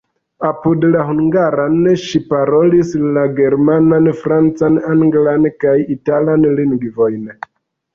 Apud la hungaran ŝi parolis la germanan, francan, anglan kaj italan lingvojn.